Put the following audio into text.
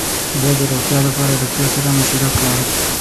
زه د روغتیا لپاره ډاکټر سره مشوره کوم.